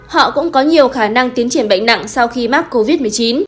họ cũng có nhiều khả năng tiến triển bệnh nặng sau khi mắc covid một mươi chín